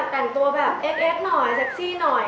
แต่งตัวแบบเอ็กซหน่อยเซ็กซี่หน่อย